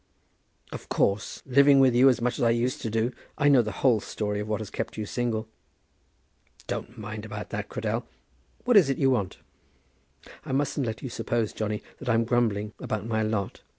"Of course; living with you as much as I used to do, I know the whole story of what has kept you single." "Don't mind about that, Cradell; what is it you want?" "I mustn't let you suppose, Johnny, that I'm grumbling about my lot.